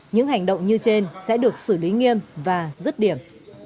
những hành động như trên sẽ được xử lý nghiêm và rứt điểm